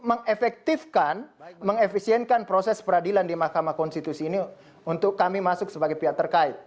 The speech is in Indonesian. mengefektifkan mengefisienkan proses peradilan di mahkamah konstitusi ini untuk kami masuk sebagai pihak terkait